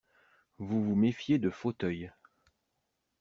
Vous vous méfiez de fauteuils.